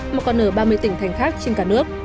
mà còn ở ba mươi tỉnh thành khác trên cả nước